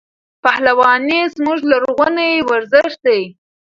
پهلواني زموږ لرغونی ورزش دی.